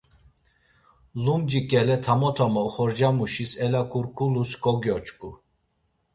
Lumci ǩele tamo tamo oxorcamuşis elakurkulus kogyoç̌ǩu.